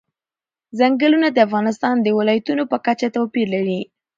ځنګلونه د افغانستان د ولایاتو په کچه توپیر لري.